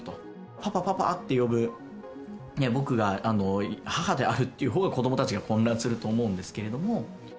パパ、パパって呼ぶ、僕が母であるっていうほうが子どもたちが混乱すると思うんですけれども。